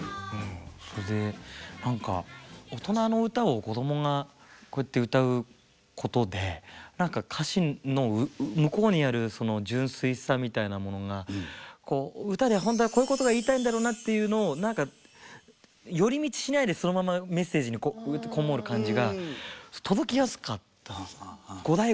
それで何かオトナの歌を子どもがこうやって歌うことで何か歌詞の向こうにあるその純粋さみたいなものが歌でほんとはこういうことが言いたいんだろうなっていうのを何か寄り道しないでそのまま「メッセージ」に籠もる感じが届きやすかった。